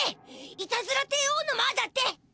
「いたずら帝王の間」だって！